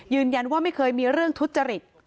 ยืนยันว่าไม่เคยมีเรื่องทุจจริต